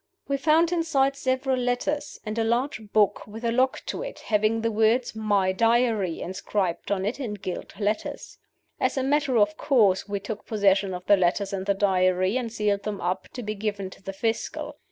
"We found inside several letters, and a large book with a lock to it, having the words 'My Diary' inscribed on it in gilt letters. As a matter of course, we took possession of the letters and the Diary, and sealed them up, to be given to the Fiscal.